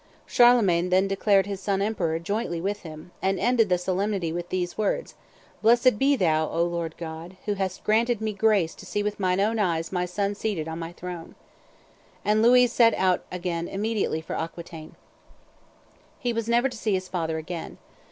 Charlemagne then declared his son emperor jointly with him, and ended the solemnity with these words: 'Blessed be Thou, O Lord God, who hast granted me grace to see with mine own eyes my son seated on my throne!'" And Louis set out again immediately for Aquitaine. He was never to see his father again.